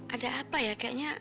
ada apa ya kayaknya